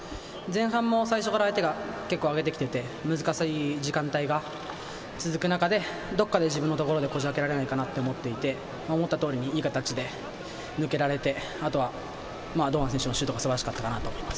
前半最初から相手が上げてきて、難しい時間帯が続く中で自分のところで、こじあけられないかと思っていて、いい形で抜けられて、あとは堂安選手のシュートが素晴らしかったと思います。